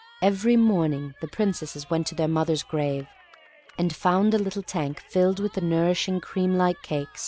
Every morning the Princesses went to their mother's grave, and found the little tank filled with the nourishing cream like cake.